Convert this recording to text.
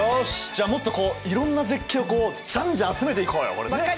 じゃあもっとこういろんな絶景をこうじゃんじゃん集めていこうよ！分かりました！